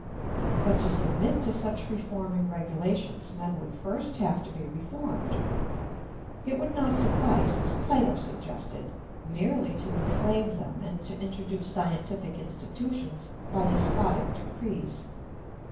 But to submit to such reforming regulations men would first have to be reformed; it would not suffice, as Plato suggested, merely to enslave them and to introduce scientific institutions by despotic decrees.